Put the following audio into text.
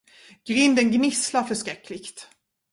Grinden gnisslar förskräckligt.